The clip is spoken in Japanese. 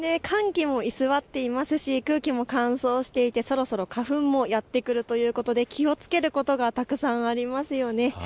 寒気も居座っていますし空気も乾燥していてそろそろ花粉もやって来るということで気をつけることがたくさんありますよね。